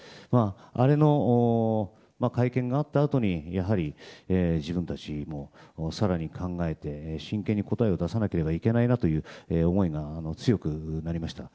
あの会見があったあとに自分たちも更に考えて真剣に答えを出さなければいけないなという思いが強くなりました。